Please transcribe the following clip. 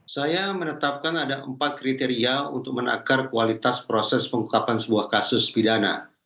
saya menetapkan ada empat kriteria untuk menakar kualitas proses pengungkapan sebuah kasus pidana